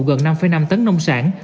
gần năm năm tấn nông sản